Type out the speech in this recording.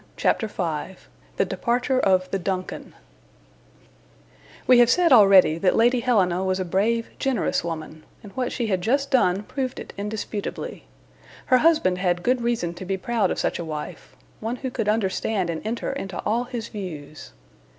CHAPTER V THE DEPARTURE OF THE "DUNCAN" WE have said already that Lady Helena was a brave, generous woman, and what she had just done proved it in disputably. Her husband had good reason to be proud of such a wife, one who could understand and enter into all his views.